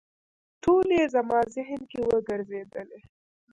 ټولې یې زما ذهن کې وګرځېدلې.